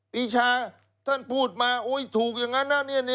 ปีชาท่านพูดมาถูกอย่างนั้นนะ